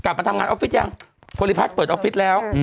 กลับมาทำงานออฟฟิศยังโพลิพัสเปิดออฟฟิศแล้ว